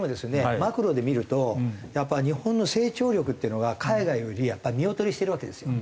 マクロで見るとやっぱ日本の成長力っていうのが海外よりやっぱ見劣りしてるわけですよね。